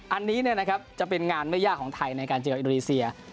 อันนี้จะเป็นงานไม่ยากของไทยในการเจออินโดนีเซีย